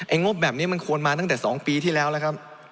งบแบบนี้มันควรมาตั้งแต่๒ปีที่แล้วแล้วครับ